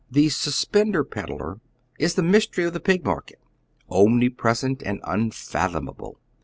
The suspender pedlar is tlie mystery of the Pig market, omnipresent and unfathomable.